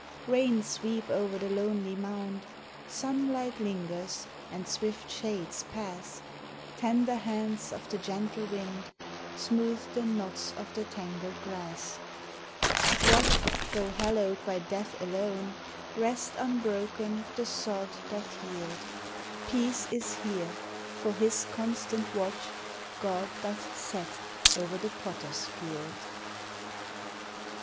Rains weep over the lonely mound, Sunlight lingers, and swift shades pass; Tender hands of the gentle wind Smooth the knots of the tangled grass. What though hallowed by Death alone, Rest unbroken the sod doth yield; Peace is here, for His constant watch God doth set o'er the Potter's Field.